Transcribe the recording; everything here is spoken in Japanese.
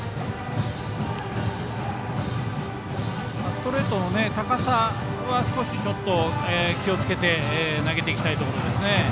ストレートの高さはすこしちょっと気をつけて投げていきたいところですね。